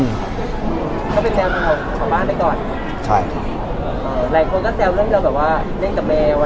เขาเป็นแมวของของบ้านไปก่อนใช่เอ่อหลายคนก็แซวเรื่องเรื่องแบบว่า